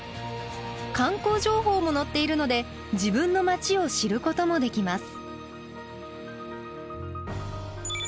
観光情報も載っているので自分の街を知ることもできます。